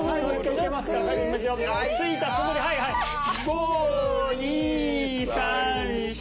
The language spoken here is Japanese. ５２３４。